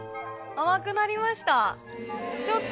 甘くなりました？